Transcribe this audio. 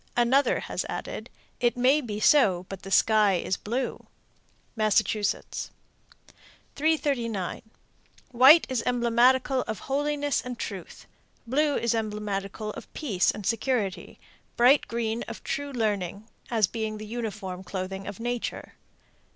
Another has added, It may be so, but the sky is blue. Massachusetts. 339. White is emblematical of holiness and truth. Blue is emblematical of peace and security; bright green of true learning, as being the uniform clothing of nature.